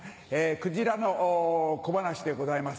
クジラの小噺でございます。